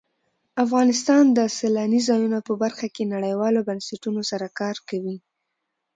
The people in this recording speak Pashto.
افغانستان د سیلانی ځایونه په برخه کې نړیوالو بنسټونو سره کار کوي.